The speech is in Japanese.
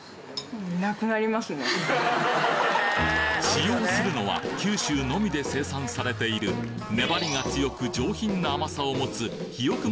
使用するのは九州のみで生産されている粘りが強く上品な甘さを持つひよく